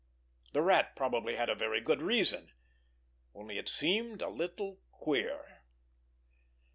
The Rat probably had a very good reason—only it seemed a little queer!